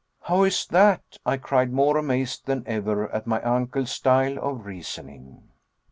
"How is that?" I cried, more amazed than ever at my uncle's style of reasoning.